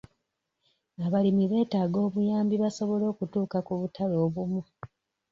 Abalimi beetaaga obuyambi basobole okutuuka ku butale obumu